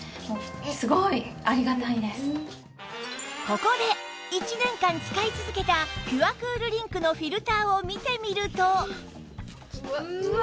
ここで１年間使い続けたピュアクールリンクのフィルターを見てみると